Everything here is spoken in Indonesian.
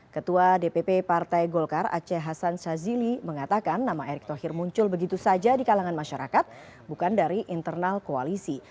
ketua dpp partai golkar aceh hasan shazili mengatakan nama erick thohir muncul begitu saja di kalangan masyarakat bukan dari internal koalisi